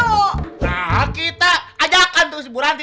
nah kita ajakkan tuh si bu ranti